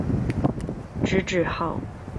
知制诰。